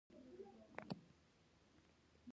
سړک د تګ راتګ لپاره جوړ شوی.